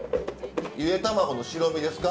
ゆでたまごの白身ですか？